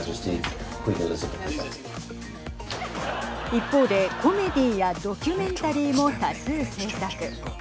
一方でコメディーやドキュメンタリーも多数制作。